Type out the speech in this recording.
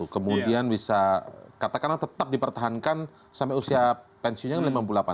kemudian bisa katakanlah tetap dipertahankan sampai usia pensiunnya lima puluh delapan